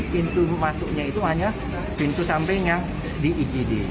pintu masuknya itu hanya pintu samping yang di igd